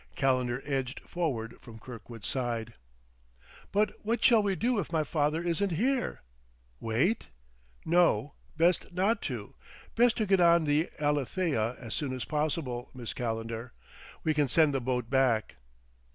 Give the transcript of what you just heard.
Calendar edged forward from Kirkwood's side. "But what shall we do if my father isn't here? Wait?" "No; best not to; best to get on the Alethea as soon as possible, Miss Calendar. We can send the boat back."